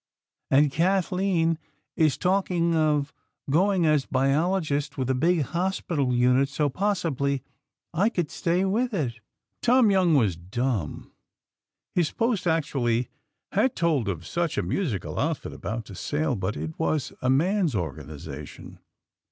And Kathlyn is talking of going as biologist with a big hospital unit; so possibly I could stay with it." Tom Young was dumb! His "Post" actually had told of such a musical outfit about to sail; but it was a man's organization.